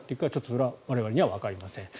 それは我々にはわかりません。